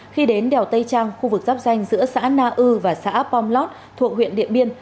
khi đến đèo tây trang khu vực giáp danh giữa xã na ư và xã pomlot thuộc huyện điện biên